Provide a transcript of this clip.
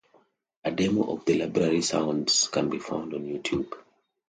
A demo of the library sounds can be found on YouTube.